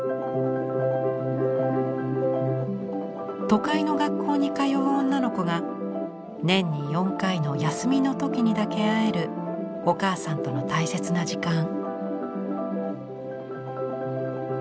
都会の学校に通う女の子が年に４回の休みの時にだけ会えるお母さんとの大切な時間。